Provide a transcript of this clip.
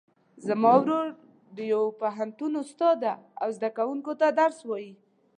زما ورور د یو پوهنتون استاد ده او زده کوونکو ته درس وایي